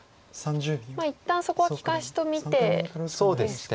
まあ一旦そこは利かしと見てですか。